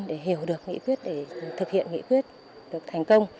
để hiểu được nghị quyết để thực hiện nghị quyết được thành công